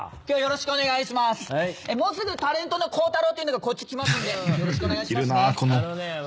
もうすぐタレントのコウタロウっていうのがこっち来ますんでよろしくお願いしますね。